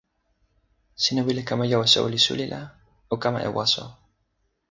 sina wile kama jo e soweli suli la o kama jo e waso.